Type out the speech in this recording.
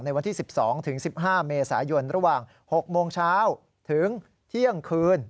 วันที่๑๒๑๕เมษายนระหว่าง๖โมงเช้าถึงเที่ยงคืน